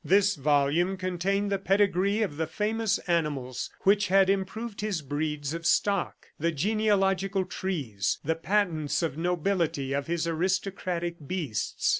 This volume contained the pedigree of the famous animals which had improved his breeds of stock, the genealogical trees, the patents of nobility of his aristocratic beasts.